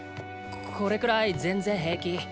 これくらい全然へいき。